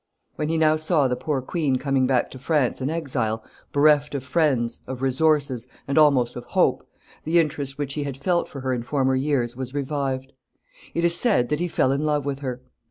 When he now saw the poor queen coming back to France an exile, bereft of friends, of resources, and almost of hope, the interest which he had felt for her in former years was revived. It is said that he fell in love with her.